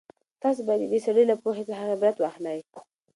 تاسو بايد د دې سړي له پوهې څخه عبرت واخلئ.